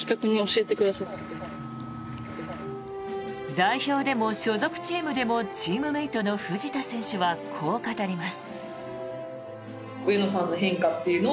代表でも所属チームでもチームメートの藤田選手はこう語ります。